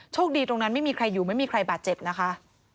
ตรงนั้นไม่มีใครอยู่ไม่มีใครบาดเจ็บนะคะ